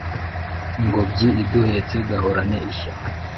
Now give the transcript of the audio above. Ngobyi iduhetse gahorane ishya